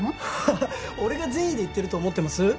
ハッハハ俺が善意で言ってると思ってます？